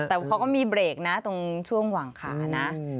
แต่เขาก็มีเบรกนะตรงช่วงหวังขานะ